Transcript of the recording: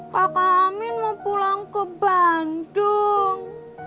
pakak amin mau pulang ke bandung